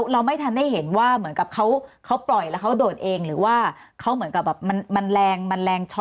เราไม่ทันได้เห็นว่าเหมือนกับเขาปล่อยแล้วเขาโดดเองหรือว่าเขาเหมือนกับแบบมันแรงมันแรงช็อ